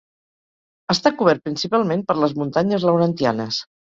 Està cobert principalment per les muntanyes Laurentianes.